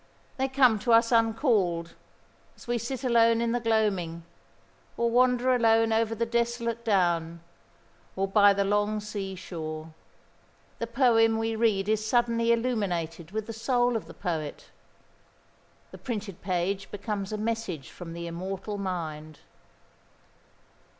They come to us uncalled, as we sit alone in the gloaming, or wander alone over the desolate down, or by the long sea shore. The poem we read is suddenly illuminated with the soul of the poet: the printed page becomes a message from the immortal mind.